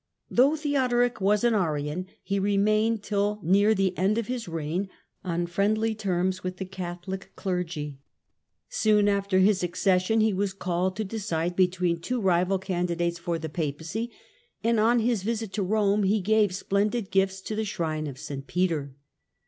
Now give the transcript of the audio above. Though Theodoric was an Arian, he remained, till near the end of his reign, on friendly terms with the Catholic clergy. Soon after his accession he was called to decide between two rival candidates for the Papacy, and on his visit to Rome he gave splendid gifts to the shrine of St. Peter.